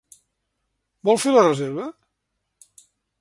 Vol fer la reserva?